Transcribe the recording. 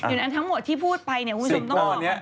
อยู่นั้นทั้งหมดที่พูดไปคุณผู้ชมต้องออกว่า